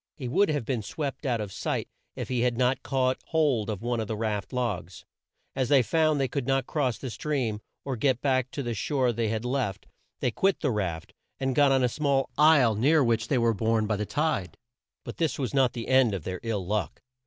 He would have been swept out of sight if he had not caught hold of one of the raft logs. As they found they could not cross the stream, or get back to the shore they had left, they quit the raft, and got on a small isle near which they were borne by the tide. But this was not the end of their ill luck.